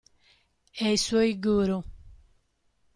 E ai suoi guru;...